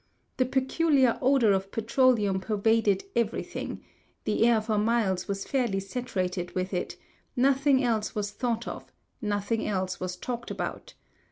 The peculiar odor of petroleum pervaded everything; the air for miles was fairly saturated with it; nothing else was thought of; nothing else was talked about.